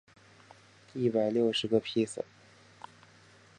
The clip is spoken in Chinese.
一百六十个披萨